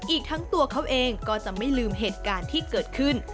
อีกทั้งตัวเขาเองก็จะไม่ลืมเหตุการณ์ที่เกิดขึ้น